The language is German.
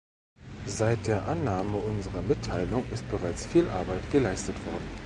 Seit der Annahme unserer Mitteilung ist bereits viel Arbeit geleistet worden.